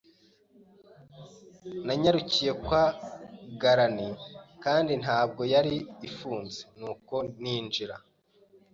Nanyarukiye kwa Grannie kandi ntabwo yari ifunze, nuko ninjira.